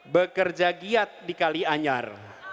bekerja giat di kalianyar